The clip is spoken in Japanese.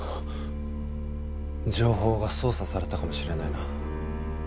情報が操作されたかもしれないな。